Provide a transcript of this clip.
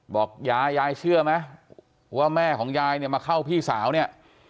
บอกยายเชื่อไหมว่าแม่ของยายมาเข้าพี่สาวนี่